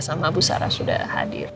sama bu sarah sudah hadir